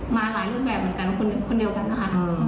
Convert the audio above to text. มาหลายรูปแบบเหมือนกันคนเดียวกันนะคะ